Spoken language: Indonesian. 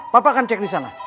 bapak akan cek di sana